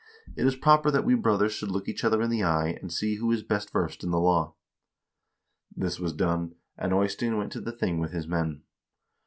It is proper that we brothers should look each other in the eye, and see who is best versed in the law.' This was done, and Eystein went to the thing with his men."